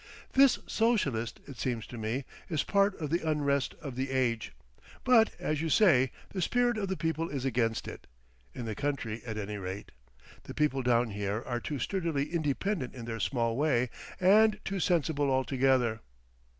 This Socialist, it seems to me, is part of the Unrest of the Age.... But, as you say, the spirit of the people is against it. In the country, at any rate. The people down here are too sturdily independent in their small way—and too sensible altogether."...